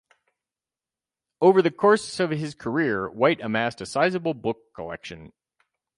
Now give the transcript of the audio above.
Over the course of his career, White amassed a sizable book collection.